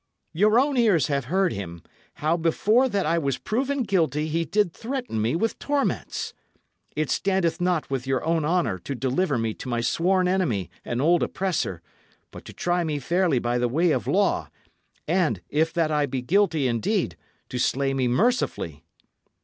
Your own ears have heard him, how before that I was proven guilty he did threaten me with torments. It standeth not with your own honour to deliver me to my sworn enemy and old oppressor, but to try me fairly by the way of law, and, if that I be guilty indeed, to slay me mercifully."